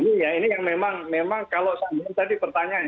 ini ya ini yang memang memang kalau tadi pertanyaan